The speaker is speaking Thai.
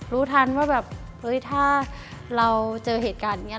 รู้ทันว่าแบบเฮ้ยถ้าเราเจอเหตุการณ์อย่างนี้